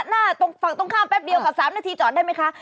หน้าตรงฝั่งตรงข้ามแป๊บเดียวค่ะ๓นาทีจอดได้ไหมคะ